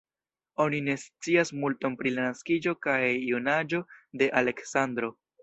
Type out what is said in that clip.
Oni ne scias multon pri la naskiĝo kaj junaĝo de Aleksandro.